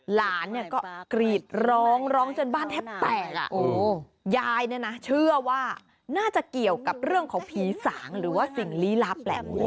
หลานก็กรีดร้องจนบ้านแทบแตกยายจะเชื่อว่าน่าจะเป็นเรื่องของผีสังหรือว่าศิลติละแปลก